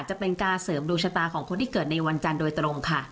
จะเป็นการเสริมดวงชะตาของคนที่เกิดในวันจันทร์โดยตรงค่ะ